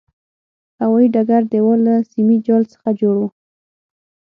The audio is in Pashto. هوایي ډګر دېوال له سیمي جال څخه جوړ و.